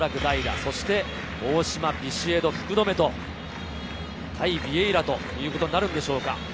そして大島、ビシエド、福留と対ビエイラということになるんでしょうか。